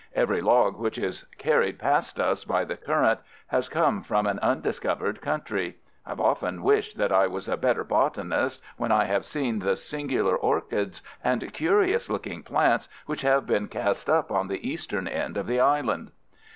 Every log which is carried past us by the current has come from an undiscovered country. I've often wished that I was a better botanist when I have seen the singular orchids and curious looking plants which have been cast up on the eastern end of the island."